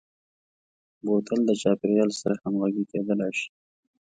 بوتل د چاپیریال سره همغږي کېدلای شي.